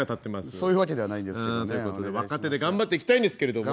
そういうわけではないんですけどね。ってことで若手で頑張っていきたいんですけれども。